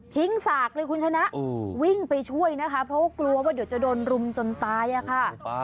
สากเลยคุณชนะวิ่งไปช่วยนะคะเพราะว่ากลัวว่าเดี๋ยวจะโดนรุมจนตายอะค่ะ